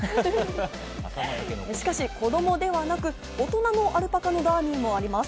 しかし子供ではなく大人のアルパカのダービーもあります。